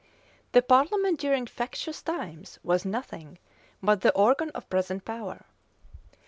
The parliament during factious times was nothing but the organ of present power.